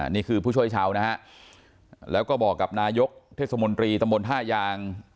นี่คือผู้ช่วยชาวนะฮะแล้วก็บอกกับนายกเทศมนตรีตำบลท่ายาง